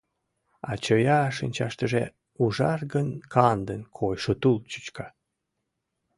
А чоя шинчаштыже ужаргын-кандын койшо тул чӱчка.